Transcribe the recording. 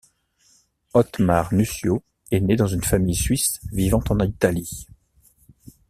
Otmar Nussio est né dans une famille suisse vivant en Italie.